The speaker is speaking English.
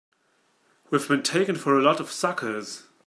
We've been taken for a lot of suckers!